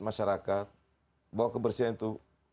masyarakat bahwa kebersihan itu